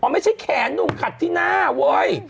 ไม่ใช่แขนหนุ่มขัดที่หน้าเว้ย